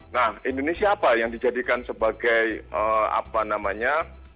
nah indonesia apa yang dijadikan sebagai apa namanya